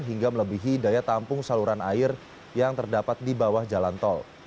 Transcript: hingga melebihi daya tampung saluran air yang terdapat di bawah jalan tol